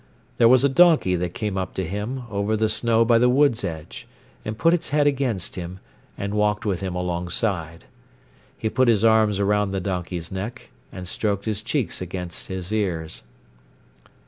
There was a donkey that came up to him over the snow by the wood's edge, and put its head against him, and walked with him alongside. He put his arms round the donkey's neck, and stroked his cheeks against his ears.